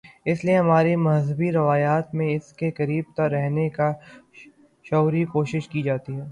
اس لیے ہماری مذہبی روایت میں اس سے قریب تر رہنے کی شعوری کوشش کی جاتی ہے۔